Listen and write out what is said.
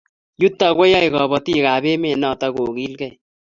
Yutok koyae kabatik ab emet notok kokilgei